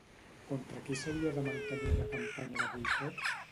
Contra qui s'havia de mantenir una campanya de boicot?